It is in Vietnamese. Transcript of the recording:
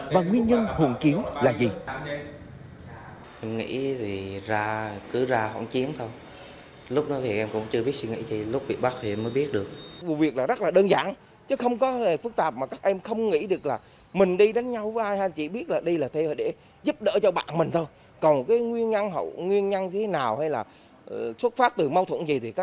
và nguyên nhân hỗn chiến là gì